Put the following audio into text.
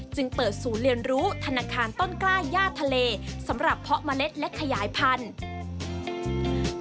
จึงเปิดศูนย์เรียนรู้ธนาคารต้นกล้าย่าทะเลสำหรับเพาะเมล็ดและขยายพันธุ์